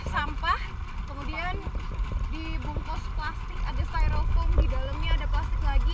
sampah kemudian dibungkus plastik ada styrofoam di dalamnya ada plastik lagi